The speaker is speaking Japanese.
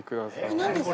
何？